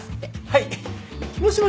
はい。